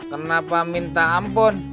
kenapa minta ampun